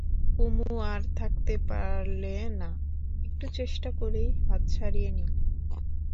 কুমু আর থাকতে পারলে না, একটু চেষ্টা করেই হাত ছাড়িয়ে নিলে।